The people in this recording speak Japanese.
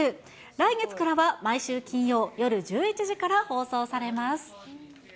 来月からは毎週金曜夜１１時から放送されます。